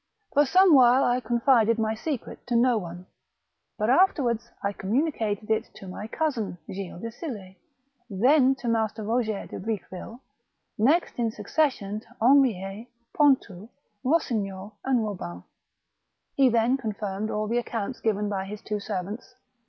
For some while I confided my secret to no one, bnt afterwards I communicated it to my cousin, Gilles de Sill6, then to Master Roger de Briqueville, next in succession to Henriet, Pontou, Rossignol, and Bobin." He then confirmed all the accounts given by his two servants.